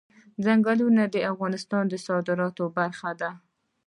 ځنګلونه د افغانستان د صادراتو برخه ده.